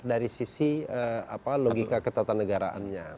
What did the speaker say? dari sisi logika ketatanegaraannya